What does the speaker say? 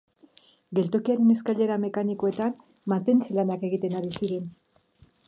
Geltokiaren eskailera mekanikoetan mantentze-lanak egiten ari ziren.